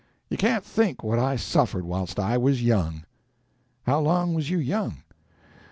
You can't think what I suffered whilst I was young." "How long was you young?"